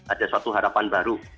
ada suatu harapan baru